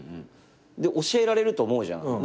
で教えられると思うじゃん。